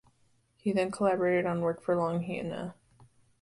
He then collaborated on work for Longhena.